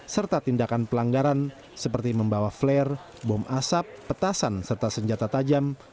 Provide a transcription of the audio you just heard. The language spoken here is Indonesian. serta tindakan pelanggaran seperti membawa flare bom asap petasan serta senjata tajam